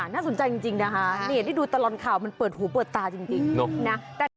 น่าสนใจจริงนะคะได้ดูตลอดข่าวมันเปิดหูเปิดตาจริงนะ